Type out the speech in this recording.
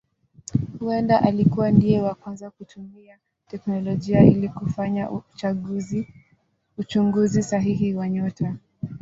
Huenda alikuwa ndiye wa kwanza kutumia teknolojia ili kufanya uchunguzi sahihi wa nyota.